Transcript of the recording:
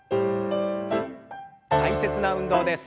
大切な運動です。